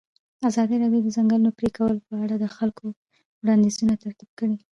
ازادي راډیو د د ځنګلونو پرېکول په اړه د خلکو وړاندیزونه ترتیب کړي.